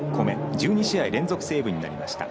１２試合連続セーブになりました。